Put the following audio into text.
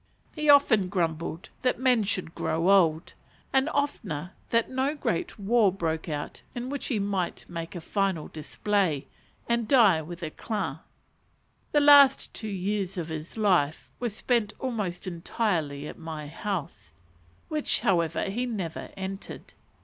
He often grumbled that men should grow old, and oftener that no great war broke out in which he might make a final display, and die with éclat. The last two years of his life were spent almost entirely at my house; which, however, he never entered.